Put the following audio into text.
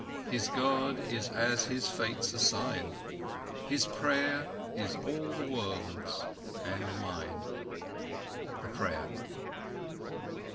His God is as his Fates assign— His prayer is all the world's—and mine. KABIR.